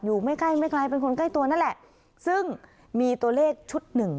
ไม่ใกล้ไม่ไกลเป็นคนใกล้ตัวนั่นแหละซึ่งมีตัวเลขชุดหนึ่ง